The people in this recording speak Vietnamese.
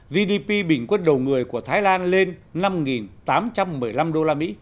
gdp bình quân đầu người của thái lan lên năm tám trăm một mươi năm usd